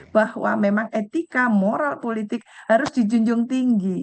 bahwa memang etika moral politik harus dijunjung tinggi